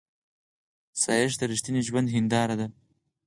ښایست د رښتینې ژوندو هنداره ده